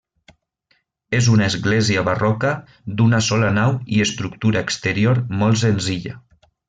És una església barroca d'una sola nau i estructura exterior molt senzilla.